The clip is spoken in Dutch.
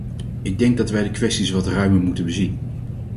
Ik denk dat wij de kwestie wat ruimer moeten bezien.